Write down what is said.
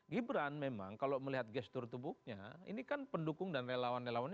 gibran memang kalau melihat gestur tubuhnya ini kan pendukung dan relawan relawannya juga berbeda